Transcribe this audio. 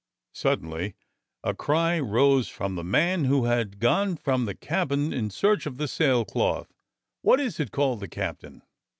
Suddenly a cry arose from the man who had gone from the cabin in search of the sailcloth. " What is it.^ " called the captain.